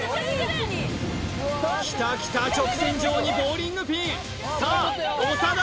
きたきた直線上にボウリングピンさあ長田！